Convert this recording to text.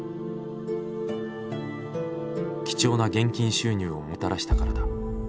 貴重な現金収入をもたらしたからだ。